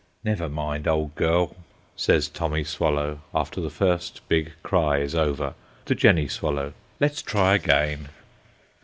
"Never mind, old girl," says Tommy Swallow, after the first big cry is over, to Jenny Swallow, "let's try again."